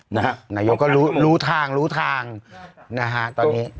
นายก็รู้ทางตอนนี้